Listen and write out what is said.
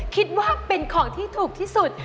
คิดว่าเป็นของที่ถูกที่สุด